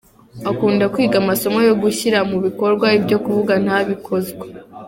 Akunda kwiga amasomo yo gushyira mu bikorwa, ibyo kuvuga ntabikozwa.